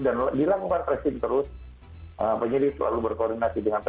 dan dilakukan kresim terus penyidik selalu berkoordinasi dengan pt acsk